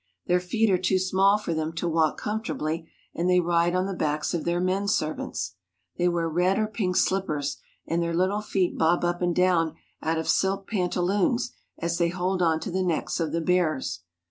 Their feet are too small for them to walk comfortably, and they ride on the backs of their menservants. They wear red or pink slippers, and their little feet bob up and down out of silk pantaloons as they hold on to the necks of the bearers.